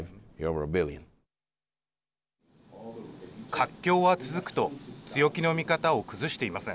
活況は続くと強気の見方を崩していません。